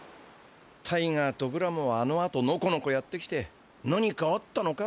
タイガーとグラモはあのあとのこのこやって来て「何かあったのか？」